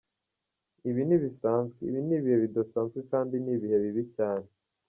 "Ibi ntibisanzwe, ibi ni ibihe bidasanzwe kandi ni ibihe bibi cyane.